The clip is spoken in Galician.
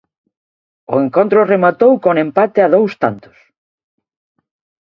O encontro rematou con empate a dous tantos.